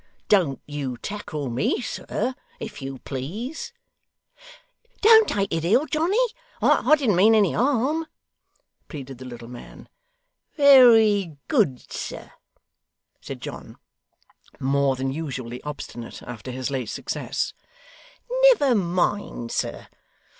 Don't you tackle me, sir, if you please.' 'Don't take it ill, Johnny; I didn't mean any harm,' pleaded the little man. 'Very good, sir,' said John, more than usually obstinate after his late success. 'Never mind, sir.